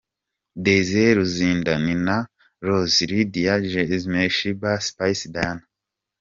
Desire Luzinda Nina Roz Lydia Jazmine Sheebah Spice Diana.